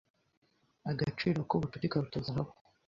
Agaciro k'ubucuti karuta zahabu. .